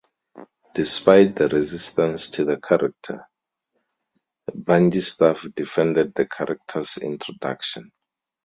Despite the resistance to the character, Bungie staff defended the character's introduction.